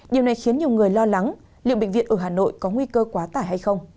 điều này khiến nhiều người lo lắng liệu bệnh viện ở hà nội có nguy cơ quá tải hay không